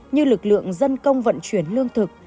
như lực lượng dân công vận chuyển lương thực